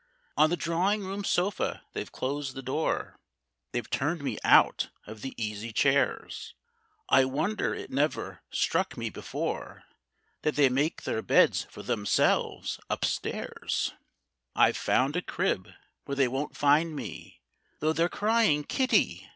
On the drawing room sofa they've closed the door, They've turned me out of the easy chairs; I wonder it never struck me before That they make their beds for themselves up stairs. I've found a crib where they won't find me, Though they're crying "Kitty!"